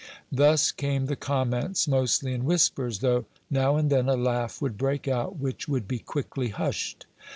Thus came the comments, mostly in whispers, though now and then a laugh would break out which would be quickly hushed.